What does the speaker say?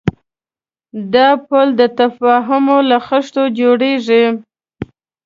دا پُل د تفاهم له خښتو جوړېږي.